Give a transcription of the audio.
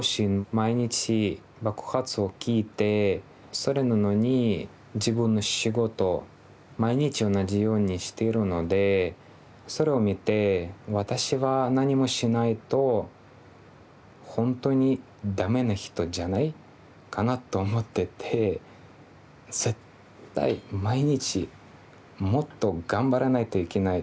毎日爆発を聞いてそれなのに自分の仕事毎日同じようにしているのでそれを見て私は何もしないとほんとに駄目な人じゃないかなと思ってて絶対毎日もっと頑張らないといけない。